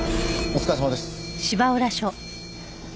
お疲れさまです。